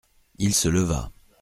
Il se leva.